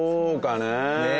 ねえ。